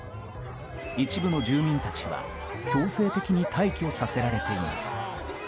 一部の住民たちは強制的に退去させられています。